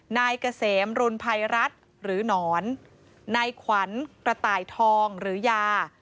นายเกษมรุนภัยรัฐหรือหนอนนายขวัญกระต่ายทองหรือยา